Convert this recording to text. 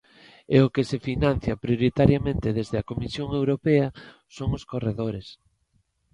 E o que se financia prioritariamente desde a Comisión Europea son os corredores.